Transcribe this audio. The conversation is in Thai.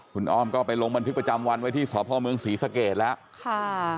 คุณอ้อมก็ไปลงบันทึกประจำวันไว้ที่สพเมืองศรีสเกตแล้วค่ะ